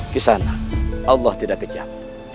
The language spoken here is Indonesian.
di sana allah tidak kejam